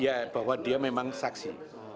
ya bahwa dia memang saksi